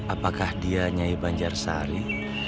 apakah dia nyai banjar sari